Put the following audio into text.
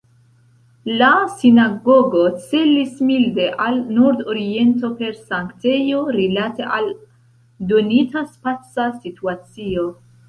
La sinagogo celis milde al nordoriento per sanktejo, rilate al donita spaca situacio.